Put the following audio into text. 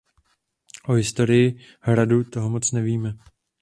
O historii hradu toho moc nevíme.